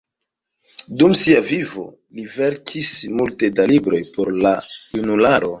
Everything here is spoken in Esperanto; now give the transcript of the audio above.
Dum sia vivo li verkis multe da libroj por la junularo.